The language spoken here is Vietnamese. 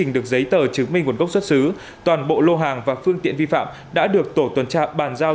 được giấy tờ chứng minh nguồn gốc xuất xứ toàn bộ lô hàng và phương tiện vi phạm đã được tổ tuần tra bàn giao